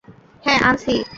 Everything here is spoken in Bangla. হ্যাঁ, আনছি।